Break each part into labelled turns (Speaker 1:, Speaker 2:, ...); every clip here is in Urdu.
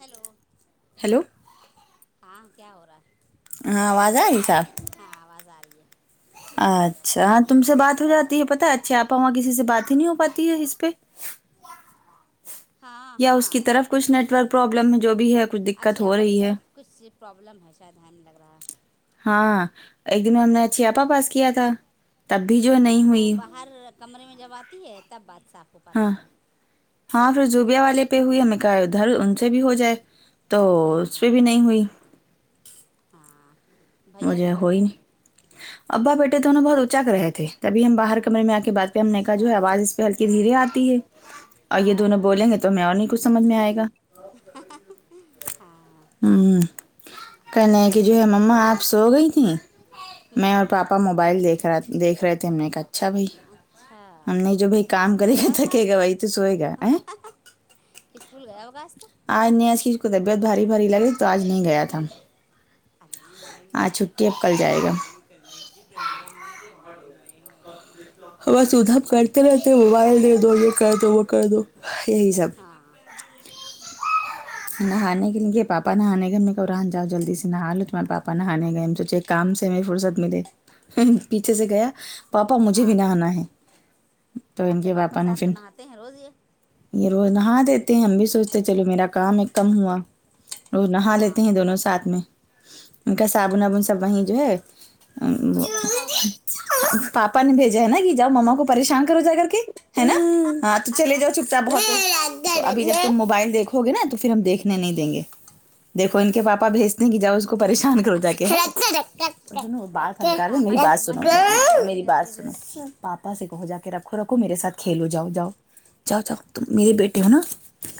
Speaker 1: ہیلو
Speaker 2: ہیلو
Speaker 1: ہاں کیا ہو رہا ہے
Speaker 2: ہاں آواز آئی صاف
Speaker 1: ہاں آواز آ رہی ہے
Speaker 2: اچھا تم سے بات ہو جاتی ہے پتہ اچھی آپا وہاں کسی سے بات ہی نہیں ہو پاتی ہے اس پہ [unintelligible]
Speaker 1: ہاں
Speaker 2: یا
Speaker 1: ہاں
Speaker 2: اس کی طرف کچھ نیٹورک پرابلم جو بھی ہے کچھ دقت ہو
Speaker 1: اچھیاپا کی
Speaker 2: رہی ہے
Speaker 1: طرف کچھ پرابلم ہے شاید ہےاینگ لگ رہا ہے
Speaker 2: ہاں ایک دن ہم نے اچھی آپا پاس کیا تھا تب بھی جو نہیں
Speaker 1: وہ
Speaker 2: ہوئی
Speaker 1: باہر کمرے میں جب آتی ہے تب بات صاف ہو
Speaker 2: ہاں
Speaker 1: پاتی ہے
Speaker 2: ہاں پھر زوبیا والے پہ ہوئی ہمیں کہا ادھر ان سے بھی ہو جائے تو
Speaker 1: ہاں
Speaker 2: اس پہ
Speaker 1: ہاں
Speaker 2: بھی نہیں ہوئی
Speaker 1: ہاں بھیا کیا
Speaker 2: وجے
Speaker 1: کر
Speaker 2: ہو
Speaker 1: رہا
Speaker 2: ہی نہیں
Speaker 1: ہے
Speaker 2: ابا بیٹے دونوں بہت اوچک رہے تھے تبھی ہم باہر کمرے میں آ کے بات پہ ہم نے کہا جو ہے
Speaker 1: اچھا
Speaker 2: آواز اس پہ ہلکی دھیرے آتی ہے اور یہ
Speaker 1: ہاں
Speaker 2: دونوں بولیں گے تو ہمیں اور نہیں کچھ سمجھ میں آئے گا
Speaker 1: ہاں
Speaker 2: ہمم کہنے لگے کہ جو ہے مما آپ سو گئی تھی
Speaker 1: ہوں
Speaker 2: میں اور پاپا ا موبائل دیکھ رہا دیکھ رہے تھے ہم نے کہا اچھا بھائی
Speaker 1: اچھا
Speaker 2: ہم نے جو بھائی کام کرے
Speaker 1: اسکول
Speaker 2: گا
Speaker 1: گیا ہوگا آج
Speaker 2: تھکے گا وہی تو سوئے گا ہے
Speaker 1: اسکول گیا ہوگا آج تو
Speaker 2: آج نہیں ایس چیز کو طبیعت بھاری بھاری لگی تو آج نہیں گیا تھا
Speaker 1: میری نہیں
Speaker 2: آج
Speaker 1: آپ
Speaker 2: چھٹی
Speaker 1: کو
Speaker 2: اب کل جائے
Speaker 1: کھیتی
Speaker 2: گا
Speaker 1: باڑی کرنے کی ضرورت نہیں ہے میری نہیں
Speaker 2: بس ادھر کرتے رہتے موبائل دے دو یہ کر دو وہ کر دو یہی سب نہانے کے لیے پاپا نہانے کا میں تو رہان جاؤ جلدی سے نہ آو تمار بات ا نہانے گئے ہم سوچے کام سے ہم فرصت ملے پیچھے سے گیا پاپا مجھے بھی
Speaker 1: ہاں
Speaker 2: نہانا ہے تو ان
Speaker 1: اچھا
Speaker 2: کے پاپا نے
Speaker 1: ساتھ تو
Speaker 2: پھر
Speaker 1: نہاتے ہیں روز یہ
Speaker 2: یہ روز نہا دیتے ہیں ہم بھی سوچتے چلو میرا کام ایک کم ہوا رو نہا لیتے
Speaker 1: ہاں
Speaker 2: ہیں دونوں
Speaker 1: نہا لیں
Speaker 2: ساتھ
Speaker 1: گے
Speaker 2: میں ان کا صابن وابن سب وہیں جو ہے
Speaker 1: وہیں رکھا ہوگا
Speaker 2: [unintelligible] پاپا نے بھیجا ہے نا کہ جاؤ مما کو پریشان کرو جا کر کے ہے نا ہاں تو چلے جاؤ چپ چاپ بہت ابھی جب تم موبائل دیکھو گے نا تو پھر ہم دیکھنے نہیں دیں گے دیکھو ان کے پاپا بھیجنے کی جاؤ اس کو پریشان کرو جا کے بات
Speaker 1: یہ
Speaker 2: سنو کر
Speaker 1: پاپا
Speaker 2: میری
Speaker 1: کے
Speaker 2: بات سنو
Speaker 1: چمچ ہے یہ آ بھی جاتے
Speaker 2: میری
Speaker 1: ہیں
Speaker 2: بات
Speaker 1: جلدی سے
Speaker 2: سنو پاپا سے کہو جا کے رکھو رکھو میرے ساتھ کھیلو جاؤ جاؤ جاؤ جاؤ تم میرے بیٹے ہو نا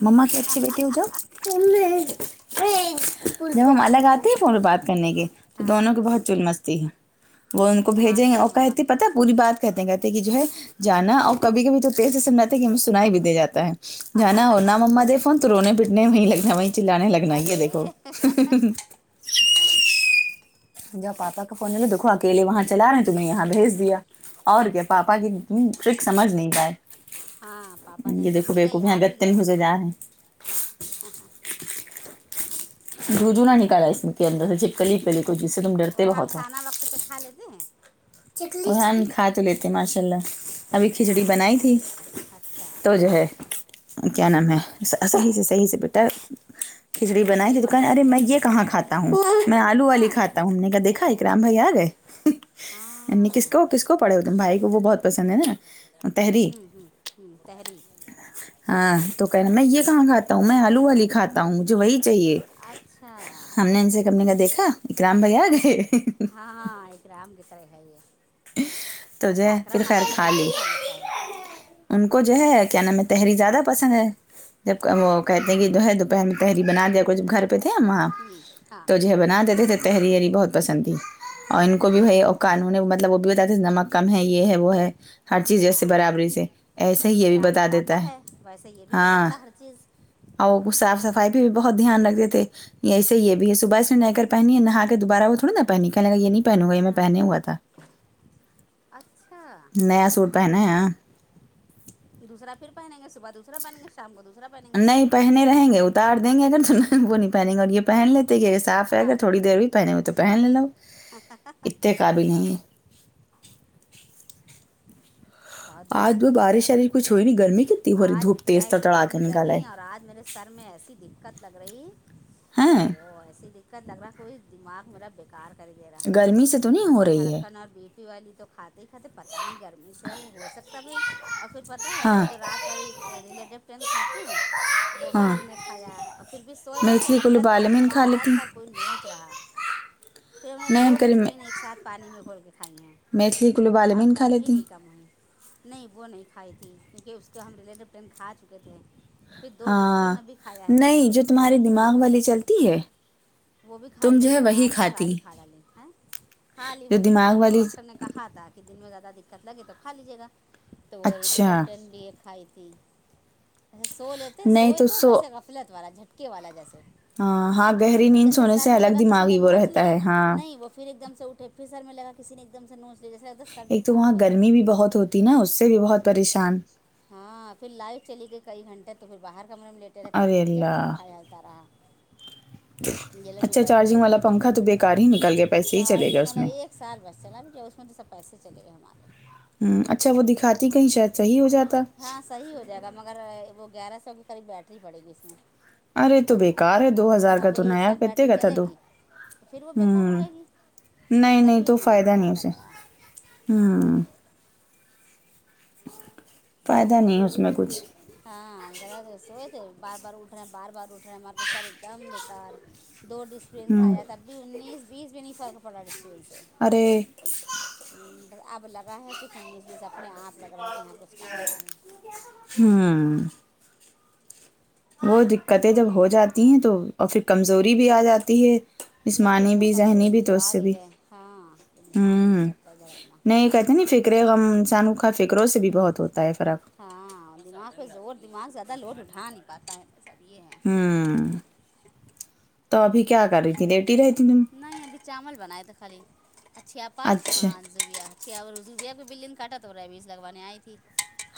Speaker 2: مما کے اچھے بیٹے ہو نا جاؤ مما جب ہم الگ آتے ہیں فون پے بات کرنے کے تو
Speaker 1: ہاں
Speaker 2: دونوں کو بہت چول مستی ہے وہ ان کو
Speaker 1: اچھا ہاں
Speaker 2: بھیجیں
Speaker 1: کہ
Speaker 2: گے
Speaker 1: جاؤ
Speaker 2: اور
Speaker 1: مما
Speaker 2: کہتے
Speaker 1: کے
Speaker 2: پتہ
Speaker 1: پاس
Speaker 2: پوری بات کہتے کہتے کہ جو ہے جانا اور کبھی کبھی تو تیے سنھاتے ہے کہ ہمیں سناائی بھی دے جاتا ہے جانا ہو نہا مما دے فون تو رونے پٹنے میںیں لگ رہا بائی چلانے لگنا ہی ہے
Speaker 1: ارے
Speaker 2: دیکھو مجھا پاپا کا فون دیکھو اکلے وہاں چلا رہے ہیں تمہیں یہاں بھیج دیا اور کیا پاپا کی ت ٹرک سمجھ نہیں پائے
Speaker 1: ہاں پاپا نے
Speaker 2: یہ
Speaker 1: ان کو
Speaker 2: دیکھو
Speaker 1: بھیجا
Speaker 2: بیوقوف
Speaker 1: یہ
Speaker 2: یہاں
Speaker 1: ابھی
Speaker 2: گتے
Speaker 1: گئے
Speaker 2: میں گھسے جا رہے ہیں
Speaker 1: ہاں ہاں
Speaker 2: روجو نہ نکالا اس نے کے اندر سے جپ کلی پلی کوچ جس سے تم ڈرتے بہت ہو
Speaker 1: تب تک کھا لیتے ہیں
Speaker 2: رحان کھا تو لیتے ہیں ماشاء اللہ ابھی کھچڑی
Speaker 1: ہاں
Speaker 2: بنائی
Speaker 1: اللہ کا
Speaker 2: تھی
Speaker 1: شکر اچھا
Speaker 2: تو جو ہے کیا نام ہے صحیح سے صحیح سے بیٹا کھچڑی
Speaker 1: اس کو
Speaker 2: بنائی تھی
Speaker 1: کئی
Speaker 2: تو کہنے
Speaker 1: مرتبہ
Speaker 2: ارے
Speaker 1: دیا
Speaker 2: میں یہ
Speaker 1: کرو
Speaker 2: کہاں کھاتا ہوں میں آلو والی
Speaker 1: ہاں
Speaker 2: کھاتا ہوں نے کہ دیکھا ہے اکرام بھائی آ گئے کس
Speaker 1: ہاں
Speaker 2: کو کس کو پڑے ہو تم بھائی کو وہ بہت پسند ہے نا تحریر
Speaker 1: ہم ہم ہم تحری
Speaker 2: ہاں تو کہ نا میں یہ کہاں کھاتا ہوں میں آلو والی کھاتا ہوں مجھے وہی چاہیے
Speaker 1: اچھا
Speaker 2: ہم نے ان سے کمنے کا دیکھا اکرام بھائی آ گئے
Speaker 1: ہاں ہاں ایک اکرام کی طرح ہے یہ
Speaker 2: تو جو
Speaker 1: اچھا
Speaker 2: ہے پھر
Speaker 1: اکرم
Speaker 2: خیر
Speaker 1: ماشاء اللہ کچھ بھی
Speaker 2: لی
Speaker 1: کھا لیتا ہے
Speaker 2: ان کو جو ہے کیا نام ہے تحری زیادہ پسند ہے جب وہ کہتے ہیں کہ جو ہے دوپہر میں تحری بنا دیا کو جب گھر تھے وہاں
Speaker 1: ہوں ہاں
Speaker 2: تو جو ہے بنا دیتے تھے تحری یری بہت پسند ہے اور ان کو بھی بھائی
Speaker 1: اچھا
Speaker 2: قانونی مطلب وہ بھی بتیا تھے نمک کم ہے یہ ہے وہ ہے ہر چیز جیسے
Speaker 1: ہاں
Speaker 2: برابری سے ایسے ہی یہ بھی
Speaker 1: اکرام
Speaker 2: بتا
Speaker 1: بتاتا
Speaker 2: دیتا ہے
Speaker 1: ویسے یہ بھی
Speaker 2: ہاں
Speaker 1: بتاتا ہر چیز
Speaker 2: اور صاف صفائی پہ بھی بہت دھیان رکھتے تھے یہ ایسے یہ بھی ہے صبح سے میں نئے کر پہنی ہے نہا دوبارہ وہ تھوڑی نا پہنی کہنے لگا یہ نہیں پہنے گا یہ میں
Speaker 1: ہاں
Speaker 2: پہنے ہوا تھا
Speaker 1: اچھا
Speaker 2: نیا سٹ پہنا ہے
Speaker 1: دوسرا پھر پہنیں گے صبح دوسرا پہن گے شام کو دوسرا پہنیں گے
Speaker 2: نہیں پہنے رہیں گے اتار دیں گے اگر تو وہ نہیں پہن گے اور یہ پہن لیتے کہ اگر صاف رہے اگر
Speaker 1: ہاں
Speaker 2: تھڑ دیر بھی پہنے ہو تو پہن لینا
Speaker 1: [unintelligible]
Speaker 2: کاابل نہیں ہے
Speaker 1: بہت دماغ
Speaker 2: آج وہ بارش
Speaker 1: چھیلاتا
Speaker 2: شارش
Speaker 1: ہے
Speaker 2: کچھ ہوئی نہیں گرمی کتنی ہو رہی
Speaker 1: آج
Speaker 2: دھوپ
Speaker 1: بیٹیا
Speaker 2: تیز
Speaker 1: اس
Speaker 2: تڑا
Speaker 1: قدر
Speaker 2: کے
Speaker 1: بھی
Speaker 2: نکالا
Speaker 1: گرمی ہے اور آج میرے سر میں ایسی دقت لگ رہی او و
Speaker 2: ہیں
Speaker 1: افو ایسی کا لگ رہا کوئی دماغ میرا بے کار کر ہی دے رہا
Speaker 2: گرمی سے تو نہیں ہو
Speaker 1: صبح
Speaker 2: رہی ہے
Speaker 1: دھڑکن اور بیٹ ی والی تو کھاتے ہی کھاتے پتہ نہیں گرمی سے ہو سکتا بھائی اور پھر پتہ ہے وہ
Speaker 2: ہاں
Speaker 1: جو رات ریلیٹیو پین کھاتے ہیں وہ بھی
Speaker 2: ہاں
Speaker 1: ہم نے کھایا اور پھر بھی سوئے ویسے
Speaker 2: میتھلی کلو
Speaker 1: غفلت والا کہ
Speaker 2: بالمین
Speaker 1: بار
Speaker 2: کھا
Speaker 1: بار
Speaker 2: لیتی
Speaker 1: سر کوئی نوچ رہا پھر ہم نے
Speaker 2: نہیں
Speaker 1: دو
Speaker 2: کریم
Speaker 1: ڈسپلن ایک ساتھ پانی میں گھول کے کھائی ہیں
Speaker 2: میتھلی کلو
Speaker 1: اور
Speaker 2: بالمین
Speaker 1: تب
Speaker 2: کھا
Speaker 1: بھی
Speaker 2: لیتی
Speaker 1: نہیں نہیں وہ نہیں کھائی تھی کیونکہ اس کے ہم ریلیٹو کھا چکے تھے پھر دو
Speaker 2: ہاں
Speaker 1: ڈسبن ابھی کھایا ہے ہم نے
Speaker 2: نہیں
Speaker 1: وہی
Speaker 2: جو تمہارے
Speaker 1: تین
Speaker 2: دماغ
Speaker 1: بجے
Speaker 2: والی چلتی ہے
Speaker 1: وہ بھی
Speaker 2: تم
Speaker 1: کھائی ہے
Speaker 2: جو
Speaker 1: بیٹیا
Speaker 2: وہی
Speaker 1: آج
Speaker 2: کھاتی
Speaker 1: ساری کھا ڈاالیں ہیں کھا لی
Speaker 2: جو
Speaker 1: وہ بھی کھا
Speaker 2: دماغ
Speaker 1: لی وہ
Speaker 2: والی
Speaker 1: ڈاکٹر نے کہا تھا کہ دن میں زیادہ دقت لگے تو کھا لیجیے گا تو وہی
Speaker 2: اچھا
Speaker 1: لیپٹن بھی ایک کھائی تھیسے سو لیتے
Speaker 2: نہیں
Speaker 1: سوئے تو
Speaker 2: سو
Speaker 1: ویسے غفلت والا جھٹکے والا جیسے
Speaker 2: ہاں ہاں گہری
Speaker 1: ا
Speaker 2: نیند
Speaker 1: جیسے
Speaker 2: سونے
Speaker 1: سر
Speaker 2: سے
Speaker 1: میں
Speaker 2: الگ
Speaker 1: لگا کسی نے
Speaker 2: دماغی وہ
Speaker 1: نوچ
Speaker 2: رہتا
Speaker 1: لیا
Speaker 2: ہے ہاں
Speaker 1: نہیں وہ پھر ایک دم سے اٹھے پہ پھر سر میں لگا کسی نے ایک دم سے نوچے جیے سر میں
Speaker 2: ایک تو وہاں گرمی بھی بہت ہوتی نا اس سے بھی بہت پریشان
Speaker 1: ہاں پھر لائٹ چلی گئی کئی گھنٹے تو پھر باہر کمرے میں لیٹے رہتا ہے
Speaker 2: ارے
Speaker 1: افو پھر بچارا
Speaker 2: اللہ
Speaker 1: پنکھا طرح یہ لوگ بھی
Speaker 2: اچھا
Speaker 1: بیٹے رہا
Speaker 2: چارجنگ والا
Speaker 1: اندر
Speaker 2: پنکھا تو بیکار ہی نکل گیا پیسے ہی چلے گئے
Speaker 1: چارجنگ
Speaker 2: اس
Speaker 1: ملا
Speaker 2: میں
Speaker 1: ایک ایک سال بس چلا بھیٹ اس میں تو سب پیسے چلے گئے ہمارے
Speaker 2: ہوں اچھا وہ دکھاتی کہیں شاید صحیح ہو جاتا
Speaker 1: [unintelligible] ہاں صحیح ہو جائے گا مگر وہ گیارہ سو کے قریب بیٹری پڑے گی اس میں
Speaker 2: ارے تو بیکار ہے دو ہزار کا
Speaker 1: اب
Speaker 2: تو
Speaker 1: ایک
Speaker 2: نیا
Speaker 1: سال
Speaker 2: کتے
Speaker 1: بیٹری
Speaker 2: کا تھا
Speaker 1: چلے
Speaker 2: تو
Speaker 1: گی پھر وہ بیکار ہو
Speaker 2: ہوں
Speaker 1: جائے گی
Speaker 2: نہیں نہیں
Speaker 1: تبھی
Speaker 2: تو
Speaker 1: ہم نے
Speaker 2: فائدہ
Speaker 1: صحیح
Speaker 2: نہیں اسے
Speaker 1: کرایا
Speaker 2: ہوں فائدہ نہیں ہے اس میں کچھ
Speaker 1: ہاں ر سوئے تھے بار بار اٹ رہے ہیں بار بار اٹھ رہے ہیں ہمار کے سر ایک دم بےیکار دو ڈسپین
Speaker 2: ہوں
Speaker 1: کھایا تب بھی انیس بیس میں نہیں فرق پڑا ڈسپین سے
Speaker 2: ارے
Speaker 1: ہوں اب لگا ہے کچھ انیس بیس اپنے آپ لگ رہا ہے کہ یہاں کچھ کم نہیں ہے
Speaker 2: ہوں وہ دقتیں جب ہو جاتی ہیں تو اور پھر کمزوری بھی آ جاتی ہے
Speaker 1: نہیں تو
Speaker 2: جسمانی
Speaker 1: ادھر
Speaker 2: بھی ذہنی
Speaker 1: کمزوری
Speaker 2: بھی تو اس
Speaker 1: آ
Speaker 2: سے بھی
Speaker 1: گئی ہے ہاں دھیان بھی نہیں
Speaker 2: ہوں
Speaker 1: رکھتا ادھر اپنا
Speaker 2: نہیں یہ کہتے نہیں فر فکر ہے غم انسانوں کا فکروں سے بھی بہت ہوتا ہے فرق
Speaker 1: ہاں دماغ پہ زور دماغ زیادہ لوڈ اٹھا نہیں پاتا ہے سب یہ ہے
Speaker 2: ہوں تو ابھی کیا کرے لیٹی رہتی ہوں
Speaker 1: نہیں ابھی چاول بنائے تھے خالی اچھی آپائی تو
Speaker 2: اچھا
Speaker 1: وہاں [unintelligible] بلن کاٹا تو ابز لگانے آئی تھی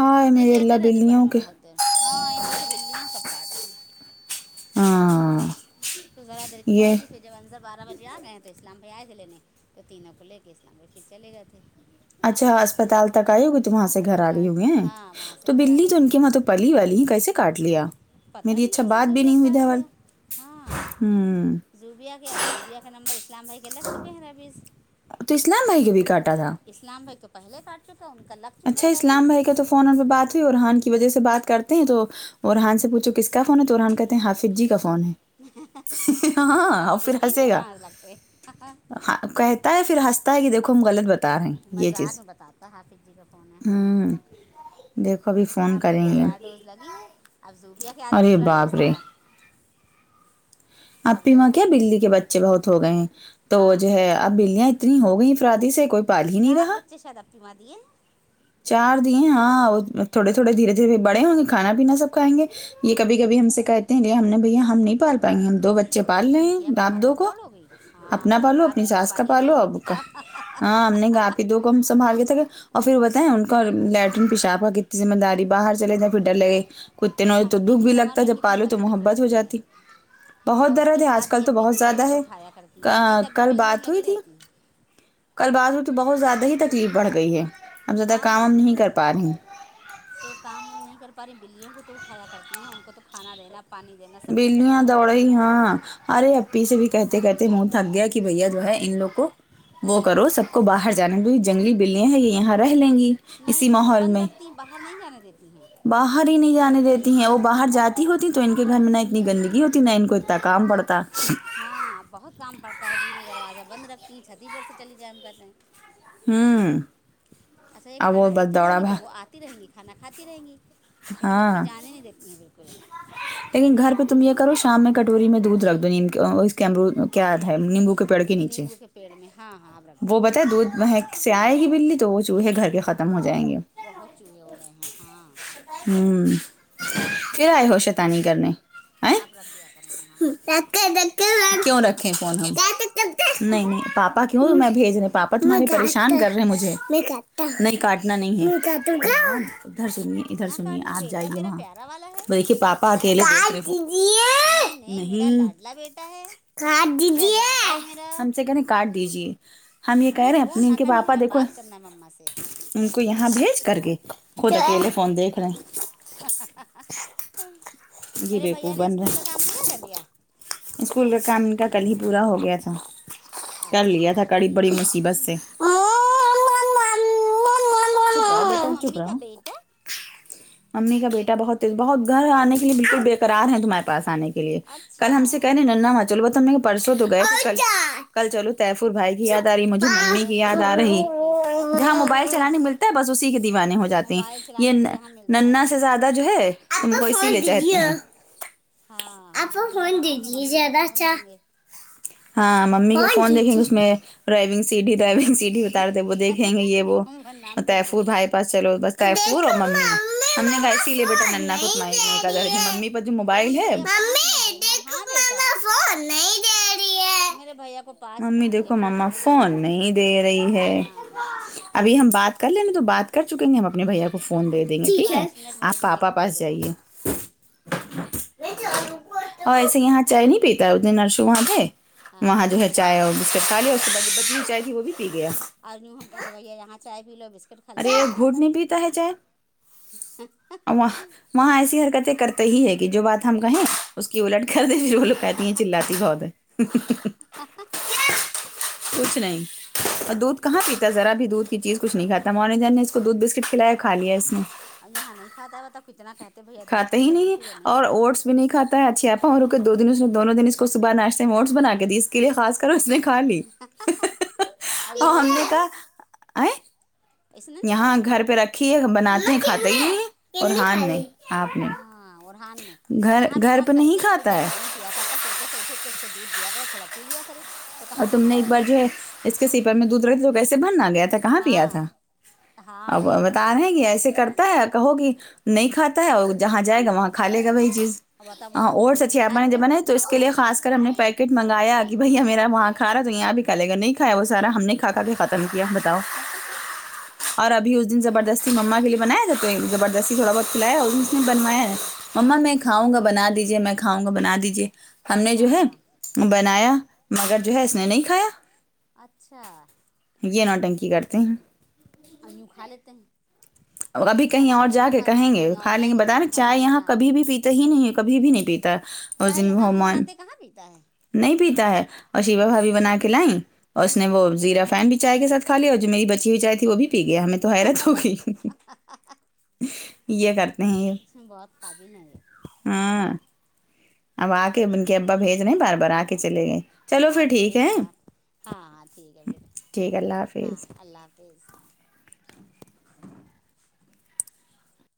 Speaker 2: ہائے
Speaker 1: نہیں
Speaker 2: میرے اللہ
Speaker 1: لیٹر ہے دوپہر
Speaker 2: بلیوں
Speaker 1: میں
Speaker 2: کے
Speaker 1: بہت دیر ہاں ان لوگ کی بلیاں سب کاٹ رہی ہیں
Speaker 2: ہاں
Speaker 1: تو ذرا دیر کے لے ائی
Speaker 2: یہ
Speaker 1: تھی پھر جب اندر بارہ بجے آ گئے ہیں تو اسلام بھائی آئے تھے لینے تو تینوں کو لے کے اسلام بھائی پھر چلے گئے تھے
Speaker 2: اچھا اسپتال تک آئے ہوگے تو وہاں سے گھر آگئے
Speaker 1: اسپتال
Speaker 2: ہوئے ہیں
Speaker 1: ہاں وہاں سے
Speaker 2: تو
Speaker 1: گھر آ
Speaker 2: بلی
Speaker 1: گئی
Speaker 2: تو ان
Speaker 1: تھی
Speaker 2: کی وہاں تو پلی والی ہے کیسے کاٹ لیا
Speaker 1: پتہ
Speaker 2: میری
Speaker 1: نہیں
Speaker 2: اچھا
Speaker 1: کیسے
Speaker 2: بات بھی
Speaker 1: زوبیا
Speaker 2: نہیں ہوئی
Speaker 1: کاٹ
Speaker 2: ادھر
Speaker 1: لیا ہاں زبیا کے آپ زوبیا کا نمبر اس اسلام بھائی کے لگ چکے ہیں ربز
Speaker 2: تو اسلام بھائی کے بھی
Speaker 1: ذوبی
Speaker 2: کاٹا تھا
Speaker 1: اسلام بھاںی تو پہلے پٹ چکا ہوں ان کا اللہ
Speaker 2: اچھا اسلام بھائی کا تو فونو پہ بات ہوئی اور ارہان کی وجہ سے بات کرتے ہیں تو ارحان سے پوچھو کس کا فون ہے تو اورحان کہتے ہیں حافظ جی کا فون ہے اور
Speaker 1: ہاں میں
Speaker 2: پھر
Speaker 1: جینس
Speaker 2: ہنسے گا
Speaker 1: باہر لگتاہے
Speaker 2: کہتا ہے پھر ہنستا ہے کہ دیکو ہم غلط ب
Speaker 1: مذاق میں بتاتا حافظ جی کا فون ہاں
Speaker 2: ہوں دیکھو ابھی
Speaker 1: نہیں
Speaker 2: فون
Speaker 1: اسلام بھائی
Speaker 2: کریں
Speaker 1: کے
Speaker 2: گے
Speaker 1: چار ڈز لگی ہے اب زوبیا کے آج
Speaker 2: ارے
Speaker 1: دوسرا ڈوز
Speaker 2: باپ رے
Speaker 1: تھا اب
Speaker 2: ابی
Speaker 1: جو ہے
Speaker 2: واں
Speaker 1: ہم
Speaker 2: کیا
Speaker 1: تی
Speaker 2: بلی کے بچے بہت ہو گئے ہیں تو
Speaker 1: ہاں
Speaker 2: جو ہے اب بلیاں اتنی ہوگئی افرادی سے کوئی پال ہی نہیں
Speaker 1: چار
Speaker 2: رہا
Speaker 1: بچے شاید اپنی ماں دیے
Speaker 2: چار دے ہاں تھوڑے تھوڑے دھیرے دھیرے بڑے ہوں گے کھانا پینا سب کھائیں گے یہ کبھی کبھی ہم سے کہتے ہیںے ہم نے بھیا ہم نہیں پال پائیں گے ہم دو بچے بچے پال لے
Speaker 1: تم
Speaker 2: ہیں
Speaker 1: مٹیا کہاں
Speaker 2: ڈات دو
Speaker 1: تک
Speaker 2: کو
Speaker 1: دوڑو گی ہاں
Speaker 2: اپنا
Speaker 1: صحیح
Speaker 2: پالو
Speaker 1: بات
Speaker 2: اپنی
Speaker 1: بیٹے
Speaker 2: ساس کا
Speaker 1: پالی رہی
Speaker 2: پالو
Speaker 1: اور
Speaker 2: ابو کا
Speaker 1: کیا
Speaker 2: ہاں ہم نے گات دو کم سنبھال تےگںے اور پھر ان کا لٹرن پیشابفا کتنی ذمہ داری باہر چلے جا پھر ڈر لگے کتے نوئے تو
Speaker 1: اپی
Speaker 2: دکھ
Speaker 1: کی
Speaker 2: بھی
Speaker 1: کمر
Speaker 2: لگتا ہے
Speaker 1: میں
Speaker 2: جب
Speaker 1: کتنی
Speaker 2: پالو تو
Speaker 1: تکلیف
Speaker 2: محبت ہو
Speaker 1: رہتی ہے
Speaker 2: جاتی بہت
Speaker 1: اور اس
Speaker 2: درد
Speaker 1: کے
Speaker 2: ہے آج
Speaker 1: بعد
Speaker 2: کل
Speaker 1: بھی
Speaker 2: تو
Speaker 1: اپی
Speaker 2: بہت
Speaker 1: جھک جھک
Speaker 2: زیادہ
Speaker 1: کے
Speaker 2: ہے
Speaker 1: اٹھایا کرتی ہیں نہیں تب بھی
Speaker 2: کل
Speaker 1: بلیوں میں
Speaker 2: بات ہوئی
Speaker 1: لگی
Speaker 2: تھی
Speaker 1: رہتی ہیں
Speaker 2: کل بازو کی بہت زیادہ ہی تکلیف بڑھ گئی ہے اب زیادہ کام ہم
Speaker 1: ہاں
Speaker 2: نہیں
Speaker 1: لیکن
Speaker 2: کر پا رہی ہیں
Speaker 1: تو کام ہم نہیں کر پا رہی بلیوں کو تو اٹھایا کرتی ہیں ان کو تو کھانا دے نا پانی ہے نہ سب کچھ رکھنا
Speaker 2: بلیاں
Speaker 1: ہے ان کے
Speaker 2: دوڑ
Speaker 1: لیے
Speaker 2: رہی
Speaker 1: ٹائم سے
Speaker 2: ہاں ارے ان سے بھی کہتے کہتے منہ تھک گیا کہ بھیا جو ہے ان لوگ کو وہ کرو سب کو باہر جنمبی جنگلی بلیا ہیں یہ یہاں رہ لیں گی
Speaker 1: نہیں
Speaker 2: اسی
Speaker 1: تو سب
Speaker 2: ماحول
Speaker 1: بند
Speaker 2: میں
Speaker 1: رکھتی ہیں باہر نہیں جانے دیتی ہیں
Speaker 2: باہر ہی نہیں جانے دیتی ہیں وہ باہر جاتی ہوتی تو ان گھر میں نہ اتنی گندگی ہوتی نہ ان کو اتنا کام بڑھتا
Speaker 1: ہاں بہت کام پڑتا ہے زین دروازہ بند رکھتی ہیں چھتی پر سے چلی جائیں ہم گھر میں
Speaker 2: امم
Speaker 1: اچھا یہ کھانا دیتی رہیں گی تو وہ
Speaker 2: بھاگ
Speaker 1: آتی رہیں گی کھانا کھاتی رہیں گی لیکن اپی
Speaker 2: ہاں
Speaker 1: جانے نہیں دیتی ہیں بالکل
Speaker 2: لیکن گھر پہ تم یہ کرو شام میں کٹوری میں دودھ رکھ دو ان کے وا مرو کیا آدھا ہے نیمبو کے پیڑ کے نیچے
Speaker 1: نیمبو کے پیڑ میں ہاں ہاں آپ رکھ دیا
Speaker 2: وہ
Speaker 1: کریں
Speaker 2: بتاے
Speaker 1: گے
Speaker 2: دودھ میں سے آئے گی بلی تو وہ چوہے گھر کے ختم ہو جائیں گے
Speaker 1: بہت چوہے ہو گئے ہیں ہاں
Speaker 2: ہوں پھر آئے ہو شیطانی کرنے
Speaker 1: آپ رکھیے آپ
Speaker 2: کیوں رکھے فون ہم
Speaker 1: کیا بتا
Speaker 2: نہیں
Speaker 1: رہا
Speaker 2: نہیں پاپ پاپا کیوں نا بھیج رہے پاپا تمہارے پریشان کر رہے مجھے نہیں کاٹنا نہیں ہے ادھر سنیے ادھر
Speaker 1: نہ
Speaker 2: سنیے
Speaker 1: کاٹنا
Speaker 2: آپ
Speaker 1: بیٹا
Speaker 2: جائیے
Speaker 1: میرا
Speaker 2: وہاں
Speaker 1: پیارا والا ہے
Speaker 2: دیکھیے
Speaker 1: اچھا
Speaker 2: پاپا
Speaker 1: بچہ ہے
Speaker 2: اکیلے
Speaker 1: نہیں میرا
Speaker 2: نہیں
Speaker 1: لاڈلا بیٹا ہے
Speaker 2: کاٹ دیجیے
Speaker 1: شہزادہ ہے میرا
Speaker 2: ہم سے کہنے کاٹ دیجے ہم یہ کہہ
Speaker 1: نہیں
Speaker 2: رہے ہیں اپنے
Speaker 1: فون نہ
Speaker 2: ان کے
Speaker 1: کاٹیے
Speaker 2: پاپا
Speaker 1: ہمیں
Speaker 2: دیکھو
Speaker 1: بات کرنا ہے مما سے
Speaker 2: ان کو یہاں بھیج کر کے خود
Speaker 1: ہاں
Speaker 2: اکیلے فون دیکھ رہے یہ
Speaker 1: میرے بھیا
Speaker 2: بیوقوف
Speaker 1: نے
Speaker 2: بن رہے
Speaker 1: اسکول کا
Speaker 2: ہیں
Speaker 1: کام پورا کر لیا
Speaker 2: اسکول کا کام ان کا کل ہی پورا ہو گیا تھا کر لیا تھا
Speaker 1: اچھا
Speaker 2: کڑی بڑی مصیبت سے رہو
Speaker 1: بھیا
Speaker 2: بیٹا چپ
Speaker 1: ممی کا
Speaker 2: رہو
Speaker 1: بیٹا
Speaker 2: امی کا بیٹا بہت تیز بہت گھر آنے کے لیے بالکل بےکرار ہیں تمہارے پاس آنے کے لیے کل ہم سے
Speaker 1: اچھا
Speaker 2: کہ رھے ننا چلو تو پرسوں تو گئے کل کل چلو تیفور بھائی کی یاد آ رہی مجھے ممی کی یاد
Speaker 1: تیفور
Speaker 2: آ رہی
Speaker 1: بھائی کی
Speaker 2: جہاں موبائل
Speaker 1: اچھا
Speaker 2: چلانے ملتا ہے بس اسی کے دیوانے ہو جاتیں ہیں
Speaker 1: موبائل
Speaker 2: یہ
Speaker 1: چلانے تو یہاں ملتا
Speaker 2: ننا
Speaker 1: ہے
Speaker 2: سے زیادہ جو ہے ان کو اسی لیے کہتے ہیں
Speaker 1: ہاں
Speaker 2: آپ کا
Speaker 1: ہاں کہ
Speaker 2: فون
Speaker 1: یہاں آئیں گے
Speaker 2: دیجیے
Speaker 1: ممی کا
Speaker 2: ذرا
Speaker 1: فون
Speaker 2: سا
Speaker 1: دیں گے
Speaker 2: ہاں ممی کو فون دیکھیں گے اس میں ڈرائیونگ سیٹ ہی ڈرائیونگ سیٹ اتارتے وہ دیکھیں گے یہ وہ
Speaker 1: ہم نام پھر
Speaker 2: طیفور
Speaker 1: بھول گئے
Speaker 2: بھائی چلو بس طیفور اور ممی ہم نے کہ اسی لیے بیٹا ننا ختم ممی پر جو
Speaker 1: فون
Speaker 2: موبائل ہے
Speaker 1: بھیا پانچ منٹ دینا ہاں بیٹا
Speaker 2: نہیں دے
Speaker 1: میرے بھیا کو پانچ
Speaker 2: ممی
Speaker 1: منٹ کے لیے
Speaker 2: دیکھو ماما
Speaker 1: دے
Speaker 2: فون
Speaker 1: دینا
Speaker 2: نہیں دے رہی ہے
Speaker 1: ہاں
Speaker 2: ابھی ہم بات کر لیں تو بات کر چکیں گے ہم اپنے بھیا کو کو فون دے دیں گے ٹھیک ہے
Speaker 1: پانچ منٹ میرے
Speaker 2: آپ
Speaker 1: بیٹے
Speaker 2: پاپا
Speaker 1: کو دے
Speaker 2: پاس
Speaker 1: دینا
Speaker 2: جائیے اور ایسے یہاں چائے نہیں پیتا ہے اس دن نرسو وہاں گئے
Speaker 1: ہاں
Speaker 2: وہاں جو ہے چائے اور بسکٹ کھا لیا اس کے بعد بدلی چائے تھی وہ بھی پی گیا
Speaker 1: اور یہاں بی ہمکو چائے پی لو بس کھا لو
Speaker 2: ارے
Speaker 1: تو نہیں
Speaker 2: گھونٹ
Speaker 1: کھاتا ہے
Speaker 2: پیتا چائے اور وہاں وہاں ایسی حرکتیں کرتے ہی ہے کہ جو بات ہم کہیں اس کی الٹ کر دی جو وہ لو کہتی ہیں چلاتی بہت ہے کچھ نہیں اور دودھ کہاں پیتا ذرا بھی دودھ کی چیز کچھ نہیں کھاتا مجن نے اس کو دودھ بسکٹ کھلایا کھا لیا اس نے
Speaker 1: اب یہاں نہیں کھاتا واتا کتنا کہتے ہیں بھیا دودھ
Speaker 2: کھاتا
Speaker 1: پی
Speaker 2: ہی
Speaker 1: لو دودھ
Speaker 2: ہے،
Speaker 1: پی لو نہیں
Speaker 2: اور
Speaker 1: لیتا ہے
Speaker 2: اوٹس نہیں کھاتا ہے اچھی اپا رو کے دو دن اس نے دونوں دن اس کو صبح ناشتے ہیں اووٹس بنا کے دیے
Speaker 1: ہوں
Speaker 2: اس کےلئے خاص کر کر اس نے کھا لی
Speaker 1: اب انہوں
Speaker 2: اور ہم نے
Speaker 1: کھایا ہی
Speaker 2: کہا
Speaker 1: نہیں
Speaker 2: آے
Speaker 1: اس نے نہیں
Speaker 2: یہاں
Speaker 1: کھایا
Speaker 2: گھر پہ رکھی ہے ہم بناتے ہیں کھاتے ہی نہیں ہے ارحان نہیں آپ نے
Speaker 1: ہاں اورحان نے
Speaker 2: گھر
Speaker 1: یہاں بھی
Speaker 2: گھر
Speaker 1: تو ہم
Speaker 2: پہ نہیں
Speaker 1: کہتے ہیں کہ
Speaker 2: کھاتا
Speaker 1: بیٹیا
Speaker 2: ہے
Speaker 1: پانی پیا کرتا سوتے سے اٹھ اٹھ کے اس کو دودھ دیا کر تھوڑا پی لیا کرے تو
Speaker 2: اور
Speaker 1: کہاں
Speaker 2: تم نے
Speaker 1: پیتا
Speaker 2: ایک بار جو ہے اس کے سیپر میں دودھ رکھے تو کیسے بھرنا گیا تھا کہاں پیا
Speaker 1: ہاں
Speaker 2: تھا
Speaker 1: ہاں
Speaker 2: اب
Speaker 1: نہیں پیا تھا
Speaker 2: بتا
Speaker 1: اس
Speaker 2: رہے ہیں کہ ایسے کر کہو گی نہیں کھاتا ہے اور جہاں جائے گا وہاں کھا لے گا وہی چیز
Speaker 1: اب بتا
Speaker 2: ہاں
Speaker 1: وہاں دودھ
Speaker 2: اوٹس اچھی
Speaker 1: بسکٹ کھا
Speaker 2: آپا جو
Speaker 1: لیا
Speaker 2: بناے تو اس کے لیے خاص کر ہم نے پیکیٹ منگایا کہ بھیا میرا وہاں کھارا تو یہاں بھی کا لے گا نہیں کایا وہ سارا ہم نے کھا کھا کے ختم کیا بتاؤ اور ابھی اس دن زبردست سی مما کے لیے بنایا جتے ہیں زبردستی تھوڑا بہت کھلایا اور بھی اس نے بنوایا ہے مما میں کھاؤں گا بنا دیجیے میں کھاؤں گا بنا دیجیے ہم نے جو ہے
Speaker 1: ہاں
Speaker 2: بنایا مگر جو ہے اس نے نہیں کھایا
Speaker 1: اچھا
Speaker 2: یہ نوٹنکی کرتے ہیں
Speaker 1: اور یوں کھا لیتے ہیں
Speaker 2: اور ابھی کہیں
Speaker 1: بناؤ
Speaker 2: اور
Speaker 1: تو
Speaker 2: جا
Speaker 1: نہیں
Speaker 2: کے
Speaker 1: کھاتے ہیں
Speaker 2: کہیں گے
Speaker 1: اور
Speaker 2: کھا لیں گے
Speaker 1: جائیں تو
Speaker 2: بت ہے
Speaker 1: یوں
Speaker 2: نا
Speaker 1: کھا
Speaker 2: چائے
Speaker 1: لیں گے
Speaker 2: یہاں
Speaker 1: ہاں
Speaker 2: کبھی بھی پیتی ہی نہیں کبھی بھی نہیں پیتا ہے اور اس
Speaker 1: چاہے
Speaker 2: دن ہو
Speaker 1: ہاں ہم
Speaker 2: مان
Speaker 1: بناتے کہاں پیتا ہے
Speaker 2: نہیں پیتا ہے اور شیوا بھابھی بنا کے لائیں اور اس نے وہ زیرا فین بھی چائے کے ساتھ کھا لیا اور جو میری بچی ہوئی چائے تھی وہ بھی پی گیا ہمیں تو حیرت ہوگئی یہ کر
Speaker 1: اس میں بہت قابل ہے یہ
Speaker 2: ہاں اب آ کے ان کے ابا بھیج رئیں بار بار آ کے چلے گئے چلو
Speaker 1: آ
Speaker 2: پھر
Speaker 1: کے
Speaker 2: ٹھیک
Speaker 1: دیکھ
Speaker 2: ہے
Speaker 1: رہا آ ہاں ہاں ٹھیک ہے پھر
Speaker 2: ٹھیک اللہ
Speaker 1: ہاں
Speaker 2: حافظ
Speaker 1: اللہ حافظ